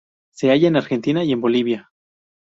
Se halla en Argentina y en Bolivia.